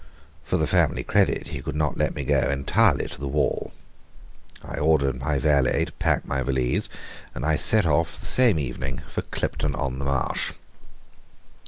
For the family credit he could not let me go entirely to the wall. I ordered my valet to pack my valise, and I set off the same evening for Clipton on the Marsh.